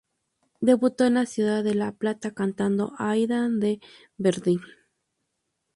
Debutó en la ciudad de La Plata, cantando Aída de Verdi.